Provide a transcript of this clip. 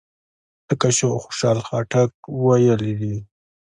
لکه چې خوشحال خټک ویلي دي.